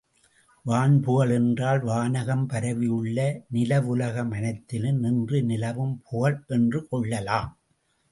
வான் புகழ் என்றால், வானகம் பரவியுள்ள நிலவுலகமனைத்திலும் நின்று நிலவும் புகழ் என்றும் கொள்ளலாம்.